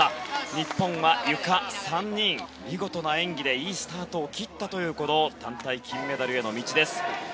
日本は３人、ゆかの演技でいいスタートを切ったという団体金メダルへの道です。